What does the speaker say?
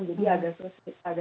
jadi agak sulit sebenarnya